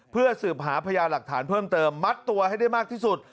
เพื่อสืบหาพยาหลักฐานเพิ่มเติมมัดตัวให้ได้มากที่สุด